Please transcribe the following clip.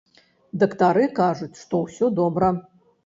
Дактары кажуць, што ўсё добра.